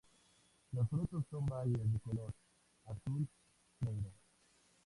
Los frutos son bayas de color azul-negro.